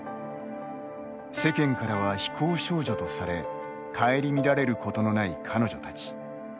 世間からは非行少女とされ顧みられることのない彼女たち。